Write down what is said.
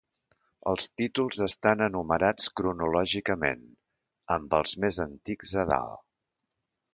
Els títols estan enumerats cronològicament, amb els més antics a dalt.